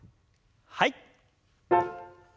はい。